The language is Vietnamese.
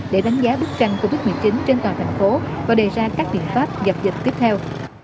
để đánh giá bức tranh covid một mươi chín trên toàn thành phố và đề ra các biện pháp dập dịch tiếp theo